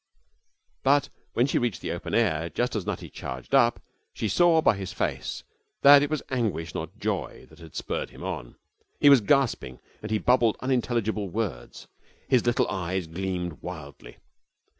But when she reached the open air, just as Nutty charged up, she saw by his face that it was anguish not joy that had spurred him on. He was gasping and he bubbled unintelligible words. His little eyes gleamed wildly.